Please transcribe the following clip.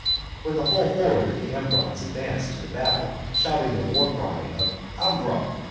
When the whole horde of the Ambrons advanced to the battle, shouting their war cry of Ambra!